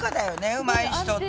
うまい人って。